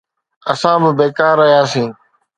اسان به بيڪار رهياسين.